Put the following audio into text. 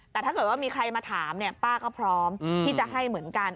แต่ถ้าเกิดว่ามีใครมาถามป้าก็พร้อมที่จะให้เหมือนกัน